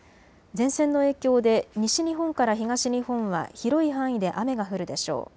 前線の影響で西日本から東日本は広い範囲で雨が降るでしょう。